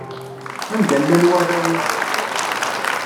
Anda llan warraw-im?